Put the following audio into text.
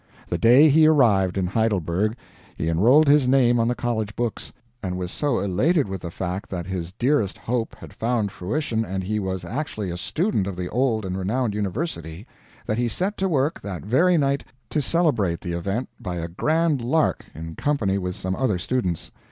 The day he arrived in Heidelberg he enrolled his name on the college books, and was so elated with the fact that his dearest hope had found fruition and he was actually a student of the old and renowned university, that he set to work that very night to celebrate the event by a grand lark in company with some other students.